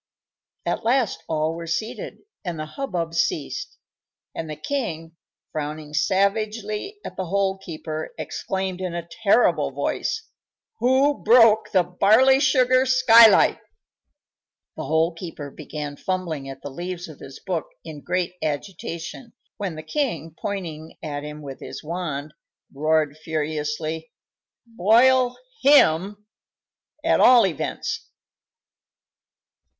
At last all were seated and the hubbub ceased, and the king, frowning savagely at the Hole keeper, exclaimed, in a terrible voice, "Who broke the barley sugar skylight?" The Hole keeper began fumbling at the leaves of his book in great agitation, when the king, pointing at him with his wand, roared furiously: "Boil him, at all events!"